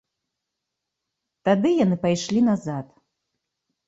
Тады яны пайшлі назад.